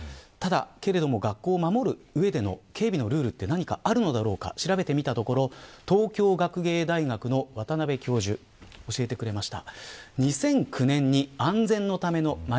けれども、学校を守る上での警備のルールは何かあるのだろうかを調べてみたところ東京学芸大学の渡邉教授が教えてくれました。